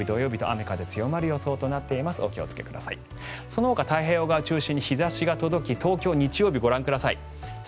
そのほか太平洋側中心に日差しが届き東京、日曜日ご覧ください。